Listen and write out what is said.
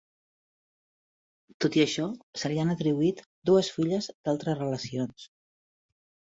Tot i això se li han atribuït dues filles d'altres relacions.